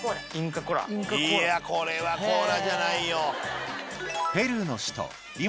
これはコーラじゃないよ！